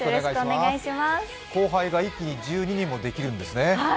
後輩が一気に１２人もできるんですね。